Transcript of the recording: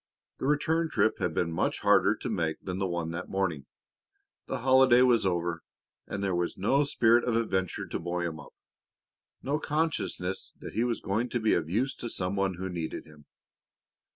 The return trip had been much harder to make than the one that morning. The holiday was over and there was no spirit of adventure to buoy him up, no consciousness that he was going to be of use to some one who needed him.